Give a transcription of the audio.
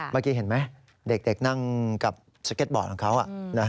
เมื่อกี้เห็นไหมเด็กนั่งกับสเก็ตบอร์ดของเขา